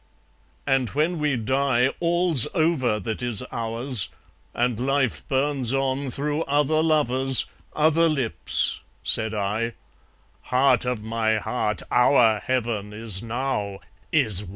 ..." "And when we die All's over that is ours; and life burns on Through other lovers, other lips," said I, "Heart of my heart, our heaven is now, is won!"